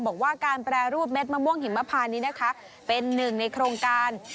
บอกว่าการแปรรูปเม็ดมะม่วงหิมพานนี้นะคะเป็นหนึ่งในโครงการ